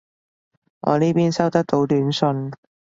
我呢邊收得到短信